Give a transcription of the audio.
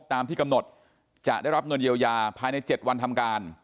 ตามที่กำหนดจะได้รับเงินเยียวยาภายใน๗วันทำการ